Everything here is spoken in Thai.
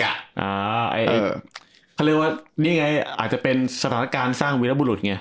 อ่าคือเป็นสถานการณ์ตามสร้างวิรัติบุรุษ